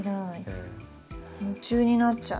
夢中になっちゃう。